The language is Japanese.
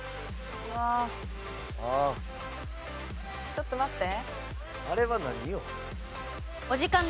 ちょっと待って。